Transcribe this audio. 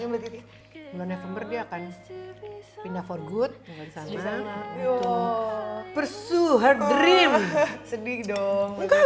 ini menitnya belum efemer dia akan pindah for good bersama bersuhat dream sedih dong